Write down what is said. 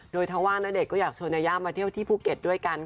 โดยถ้าว่างณเดชนก็อยากชวนยายามาเที่ยวที่ภูเก็ตด้วยกันค่ะ